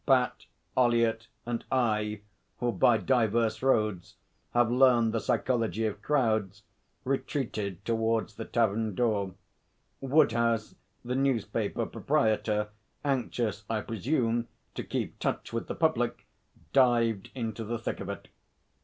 Bat, Ollyett, and I, who by divers roads have learned the psychology of crowds, retreated towards the tavern door. Woodhouse, the newspaper proprietor, anxious, I presume, to keep touch with the public, dived into the thick of it.